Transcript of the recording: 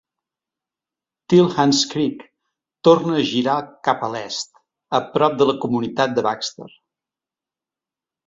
Tilhance Creek torna a girar cap a l"est, a prop de la comunitat de Baxter.